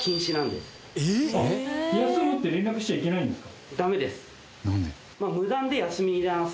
休むって連絡しちゃいけないんですか？